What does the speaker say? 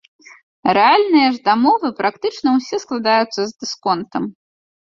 Рэальныя ж дамовы практычна ўсе складаюцца з дысконтам.